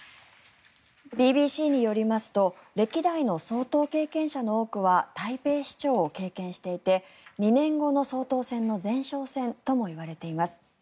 ＢＢＣによりますと歴代の総統経験者の多くは台北市長を経験していて２年後の総統選の前哨戦ともいわれています。